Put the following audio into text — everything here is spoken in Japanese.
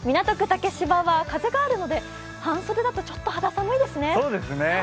竹芝は風があるので半袖だとちょっと肌寒いですね。